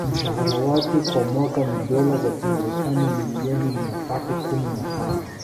Mshahara wake kwa mwaka ni Dola za kimarekani milioni mia tatu kumi na tano